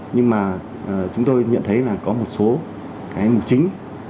nhưng mà chúng tôi nhận thấy là có một số cái mục chính